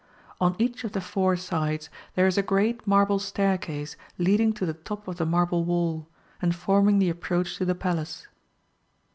[On each of the four sides there is a great marble staircase leading to the top of the marble wall, and forming the approach to the Palace.